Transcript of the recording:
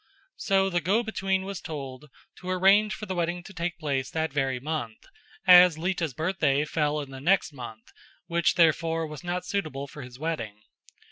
So the go between was told to arrange for the wedding to take place that very month, as Lita's birthday fell in the next month, which therefore was not suitable for his wedding.